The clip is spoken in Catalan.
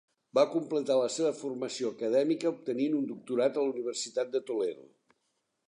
Va completar la seva formació acadèmica obtenint un doctorat a la Universitat de Toledo.